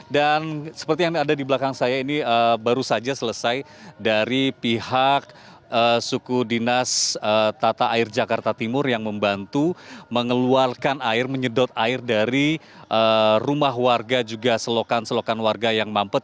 dan seperti yang ada di belakang saya ini baru saja selesai dari pihak suku dinas tata air jakarta timur yang membantu mengeluarkan air menyedot air dari rumah warga juga selokan selokan warga yang mampet